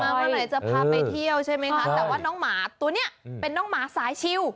เมื่อไหร่จะพาไปเที่ยวใช่ไหมคะแต่ว่าน้องหมาตัวนี้เป็นน้องหมาสายชิว